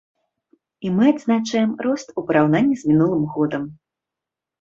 І мы адзначаем рост у параўнанні з мінулым годам.